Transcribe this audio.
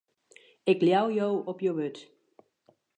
Ik leau jo op jo wurd.